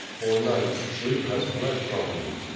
For nights sleep has fled from me.